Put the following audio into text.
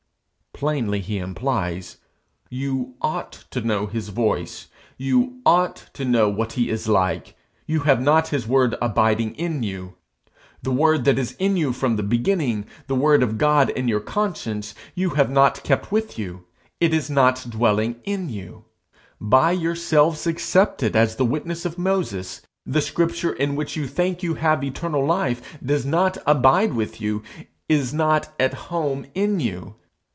Plainly he implies, 'You ought to know his voice; you ought to know what he is like.' 'You have not his word abiding in you;' '_The word that is in you from the beginning, the word of God in your conscience, you have not kept with you, it is not dwelling in you; by yourselves accepted as the witness of Moses, the scripture in which you think you have eternal life does not abide with you, is not at home in you.